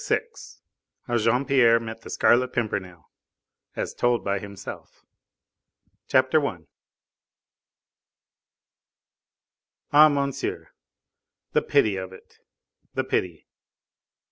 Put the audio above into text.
VI HOW JEAN PIERRE MET THE SCARLET PIMPERNEL As told by Himself I Ah, monsieur! the pity of it, the pity!